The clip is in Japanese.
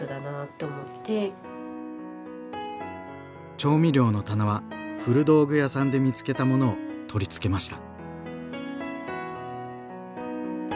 調味料の棚は古道具屋さんで見つけたものを取り付けました。